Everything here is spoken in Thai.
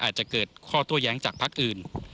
อาจจะเกิดข้อโต้แย้งจากพักอื่น